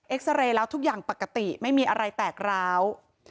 ซาเรย์แล้วทุกอย่างปกติไม่มีอะไรแตกร้าว